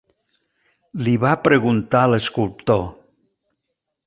Li va preguntar l'esculptor.